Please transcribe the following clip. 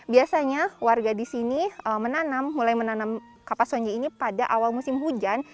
biasanya warga di sini menanam mulai menanam kapas honje ini pada awal musim hujan